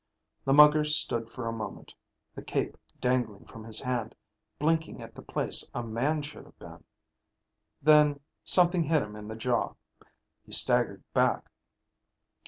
The mugger stood for a moment, the cape dangling from his hand, blinking at the place a man should have been. Then something hit him in the jaw. He staggered back.